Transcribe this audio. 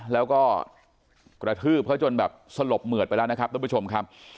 แล้วก็กระทืบเขาจนแบบสลบเหมือดไปแล้วนะครับทุกผู้ชมครับ